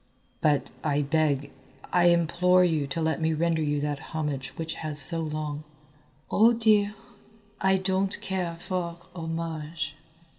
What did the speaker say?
"But I beg I implore you to let me render you that homage which has so long " "Oh dear; I don't care for homage."